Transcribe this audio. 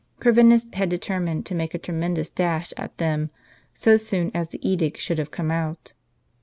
Corvinus had deterijiined to make a tremendous dash at them, so soon as the Edict should have come out.